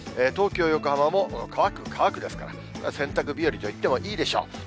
東京、横浜も乾く、乾くですから、洗濯日和と言ってもいいでしょう。